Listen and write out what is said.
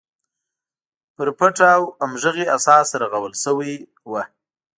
پر پټ او همغږي اساس رغول شوې وه.